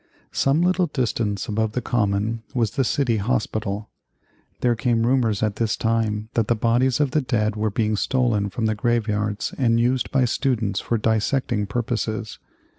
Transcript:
Some little distance above the Common was the City Hospital. There came rumors at this time that the bodies of the dead were being stolen from the graveyards and used by the students for dissecting purposes.